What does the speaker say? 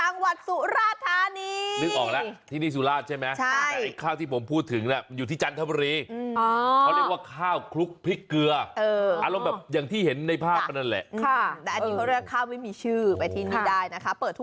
น่ากินน่ากิน